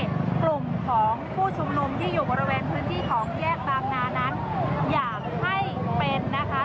กลุ่มของผู้ชุมนุมที่อยู่บริเวณพื้นที่ของแยกบางนานั้นอยากให้เป็นนะคะ